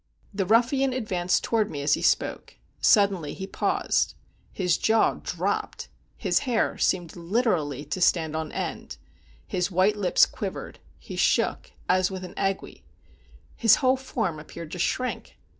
The ruffian advanced toward me as he spoke. Suddenly he paused. His jaw dropped; his hair seemed literally to stand on end; his white lips quivered; he shook, as with an ague; his whole form appeared to shrink.